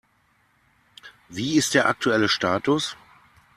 Wie ist der aktuelle Status?